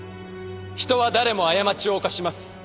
人は誰も過ちを犯します。